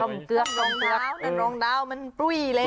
รองเท้ารองเท้ามันปุ้ยเลย